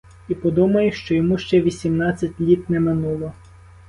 І подумаєш, що йому ще вісімнадцять літ не минуло!